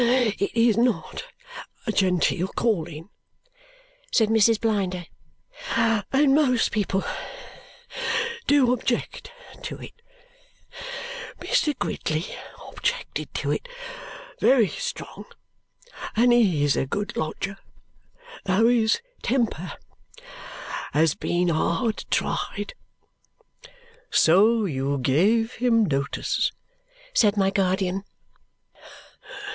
It is NOT a genteel calling," said Mrs. Blinder, "and most people do object to it. Mr. Gridley objected to it very strong, and he is a good lodger, though his temper has been hard tried." "So you gave him notice?" said my guardian.